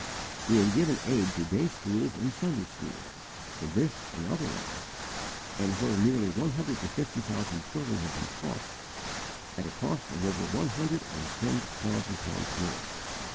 He had given aid to day schools and Sunday schools, in this and other lands, where nearly one hundred and fifty thousand children have been taught, at a cost of over one hundred and ten thousand pounds more.